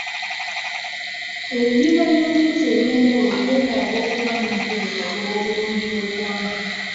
Ebibiina by'obufuzi ebyenjawulo byetaaga okuba n'entegeka ku lwobulungi bw'egwanga.